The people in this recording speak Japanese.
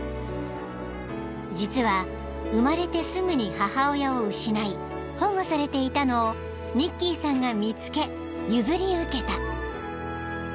［実は生まれてすぐに母親を失い保護されていたのをニッキーさんが見つけ譲り受けた］